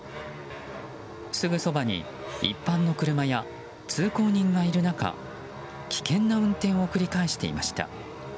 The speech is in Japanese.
すぐそばに一般の車や通行人がいる中危険な運転を繰り返していました。